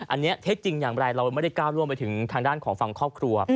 อันนี้เท็จจริงอย่างไรเราไม่ได้ก้าวล่วงไปถึงทางด้านของฝั่งครอบครัว